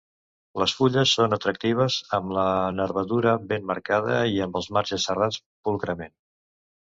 Les fulles són atractives amb la nervadura ben marcada i amb els marges serrats pulcrament.